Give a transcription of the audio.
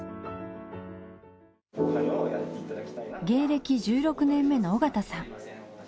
芸歴１６年目の尾形さん。